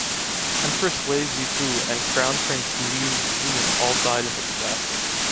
Empress Wei Zifu and crown prince Liu Xun all died in the disaster.